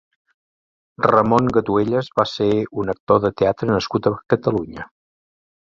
Ramón Gatuellas va ser un actor de teatre nascut a Catalunya.